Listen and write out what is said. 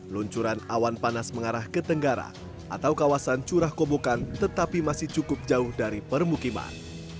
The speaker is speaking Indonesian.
luncuran awan panas mengarah ke tenggara atau kawasan curah kobokan tetapi masih cukup jauh dari permukiman